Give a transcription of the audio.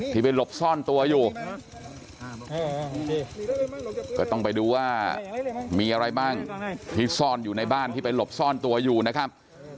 ที่ไปหลบซ่อนตัวอยู่ก็ต้องไปดูว่ามีอะไรบ้างที่ซ่อนอยู่ในบ้านที่ไปหลบซ่อนตัวอยู่นะครับ